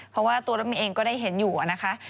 เพราะว่าตัวน้องเองก็ได้เห็นอยู่อะนะคะ